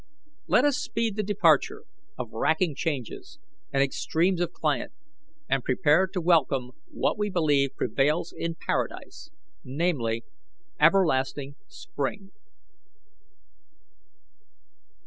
Let us speed the departure of racking changes and extremes of climate, and prepare to welcome what we believe prevails in paradise namely, everlasting spring."